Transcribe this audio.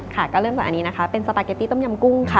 ค่ะก็เริ่มจากอันนี้นะคะเป็นสปาเกตตี้ต้มยำกุ้งค่ะ